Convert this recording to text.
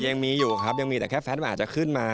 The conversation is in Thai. ยังมีอยู่ครับยังมีแต่แค่แฟนมันอาจจะขึ้นมา